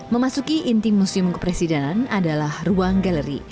memasuki inti museum kepresidenan adalah ruang galeri